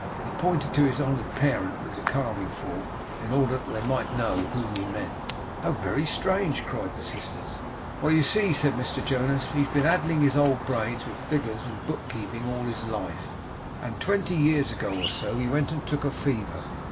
He pointed to his honoured parent with the carving fork, in order that they might know whom he meant. 'How very strange!' cried the sisters. 'Why, you see,' said Mr Jonas, 'he's been addling his old brains with figures and book keeping all his life; and twenty years ago or so he went and took a fever.